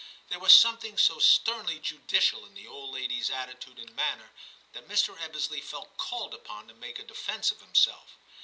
There was something so sternly judicial in the old lady's attitude and manner that Mr. Ebbesley felt called upon to make a defence of himself.